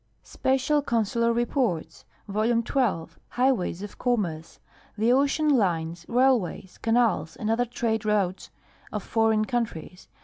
Special Consular Reports, Vol. 12 — Highways of Commerce. The ocean lines, railways, canals, and other trade routes of foreign countries.